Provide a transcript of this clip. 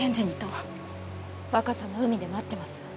若狭の海で待ってます。